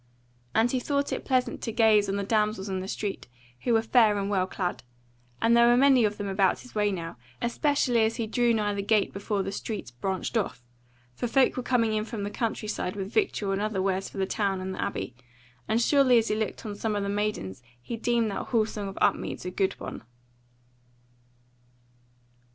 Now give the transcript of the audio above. And he thought it pleasant to gaze on the damsels in the street, who were fair and well clad: and there were a many of them about his way now, especially as he drew nigh the gate before the streets branched off: for folk were coming in from the countryside with victual and other wares for the town and the Abbey; and surely as he looked on some of the maidens he deemed that Hall song of Upmeads a good one.